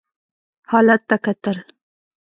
حالت ته کتل.